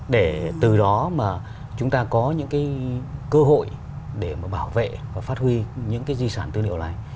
để từ đó mà chúng ta có những cái cơ hội để mà bảo vệ và phát huy những cái di sản tư liệu này